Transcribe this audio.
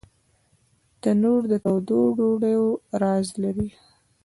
تنور د تودو ډوډیو راز لري